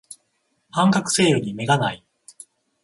半額セールに目がない